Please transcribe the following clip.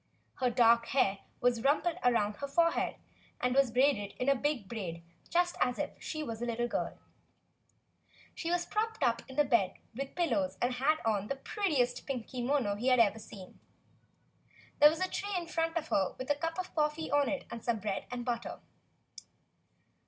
Her dark hair was rumpled up around her forehead, and was braided in a big braid just as if she were a httle girl. She was propped up in bed with pillows and had on the prettiest pink kimono he THE LETTER S had ever seen. There was a tray in front of her with a cup of coffee on it and some bread and butter.